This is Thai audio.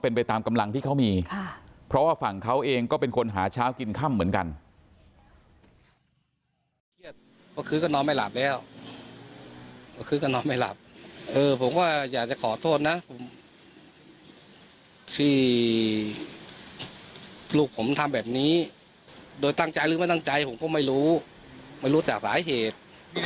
เออผมก็อยากจะขอโทษนะที่ลูกผมทำแบบนี้โดยตั้งใจหรือไม่ตั้งใจผมก็ไม่รู้ไม่รู้แต่หลายเหตุ